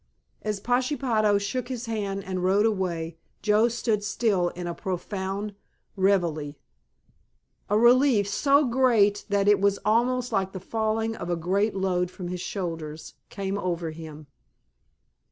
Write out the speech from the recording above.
As Pashepaho shook his hand and rode away Joe stood still in a profound reverie. A relief so great that it was almost like the falling of a great load from his shoulders, came over him.